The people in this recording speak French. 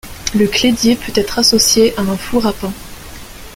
Le clédier peut être associé à un four à pain.